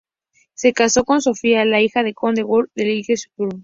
Se casó con Sofía, la hija del conde Günther de Lindow-Ruppin.